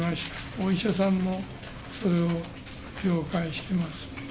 お医者さんもそれを了解してます。